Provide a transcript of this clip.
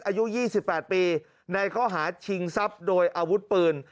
อายุยี่สิบแปดปีในข้อหาชิงทรัพย์โดยอาวุธปืน